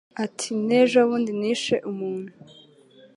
Iti « n' ejobundi nishe umuntu